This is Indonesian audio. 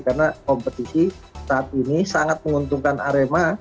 karena kompetisi saat ini sangat menguntungkan arema